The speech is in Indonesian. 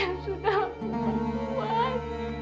apa yang sudah aku lakukan